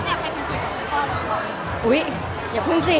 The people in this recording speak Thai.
มันเป็นเรื่องน่ารักที่เวลาเจอกันเราต้องแซวอะไรอย่างเงี้ย